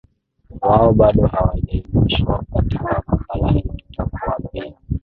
wao bado hawajainishwa Katika nakala hii tutakuambia